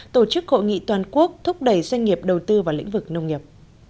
tổ chức hội nghị toàn quốc thúc đẩy doanh nghiệp đầu tư vào lĩnh vực nông nghiệp